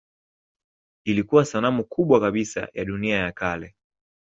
Ilikuwa sanamu kubwa kabisa ya dunia ya kale.